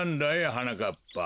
はなかっぱ。